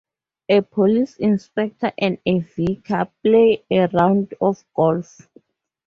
A Police Inspector and a vicar play a round of golf.